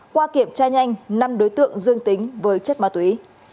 qua kiểm tra nhanh năm đối tượng dương tính với chất ma túy